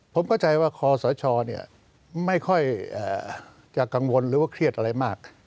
ผมเข้าใจว่าคอสชไม่ค่อยจะกังวลหรือว่าเครียดอะไรมาก